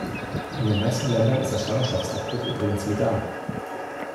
In den meisten Ländern ist der Schwangerschaftsabbruch übrigens legal.